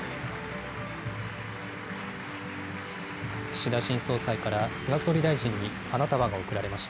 岸田新総裁から菅総理大臣に花束が贈られます。